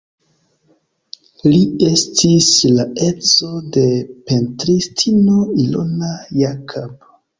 Li estis la edzo de pentristino Ilona Jakab.